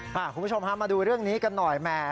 คุณผู้ชมฮะมาดูเรื่องนี้กันหน่อยแหม